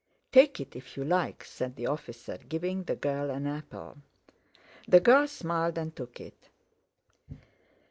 "Take it if you like," said the officer, giving the girl an apple. The girl smiled and took it.